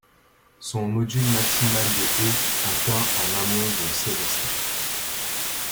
Son module maximal de est atteint en amont de Sélestat.